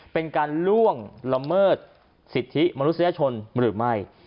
เป็นการล่วงละเมิดสิทธิมนุษยชนหรือไม่